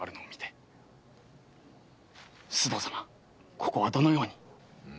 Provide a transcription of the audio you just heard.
ここはどのように？